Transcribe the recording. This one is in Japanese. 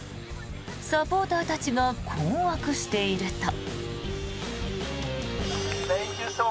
サポーターたちが困惑していると。